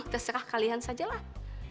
terserah kalian sajalah